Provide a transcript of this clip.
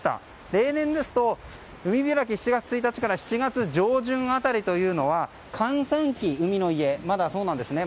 例年ですと海開き、７月１日から７月上旬辺りというのは海の家閑散期なんですね。